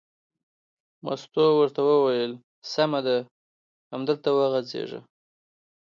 مستو ورته وویل: سمه ده همدلته وغځېږه.